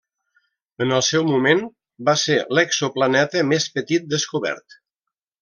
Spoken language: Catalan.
En el seu moment va ser l'exoplaneta més petit descobert.